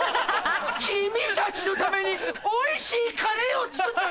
君たちのためにおいしいカレーを作ったんだ。